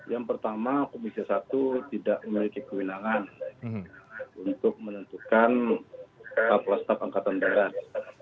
yang pertama komisi satu tidak memiliki kewenangan untuk menentukan kepala staf angkatan darat